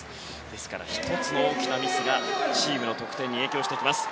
ですから、１つの大きなミスがチームの得点に影響してきます。